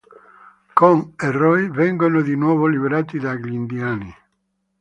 Chon e Roy vengono di nuovo liberati dagli indiani.